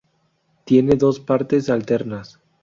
Tiene dos partes alternas.